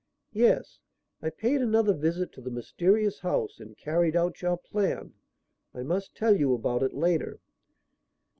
"Yes. I paid another visit to the mysterious house and carried out your plan. I must tell you about it later."